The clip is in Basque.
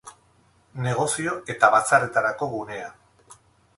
Negozio eta batzarretarako gunea.